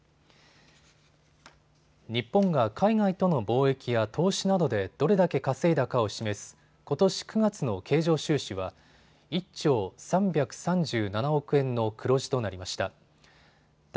日本が海外との貿易や投資などでどれだけ稼いだかを示すことし９月の経常収支は１兆３３７億円の黒字となりました。